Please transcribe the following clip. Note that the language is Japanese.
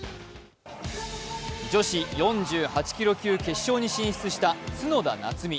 女子４８キロ級決勝に進出した角田夏実。